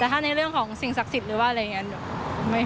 แต่ถ้าในเรื่องของสิ่งศักดิ์สิทธิ์หรือว่าอะไรอย่างนี้